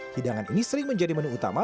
hidangan ini sering menjadi menu utama